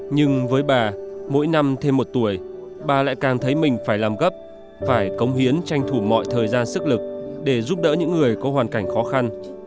nhưng với bà mỗi năm thêm một tuổi bà lại càng thấy mình phải làm gấp phải cống hiến tranh thủ mọi thời gian sức lực để giúp đỡ những người có hoàn cảnh khó khăn